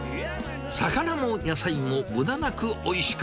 魚も野菜もむだなくおいしく。